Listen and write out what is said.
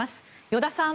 依田さん。